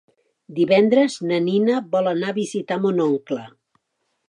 Divendres na Nina vol anar a visitar mon oncle.